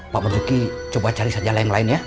pak marzuki coba cari sajalah yang lain ya